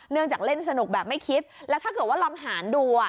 จากเล่นสนุกแบบไม่คิดแล้วถ้าเกิดว่าลองหารดูอ่ะ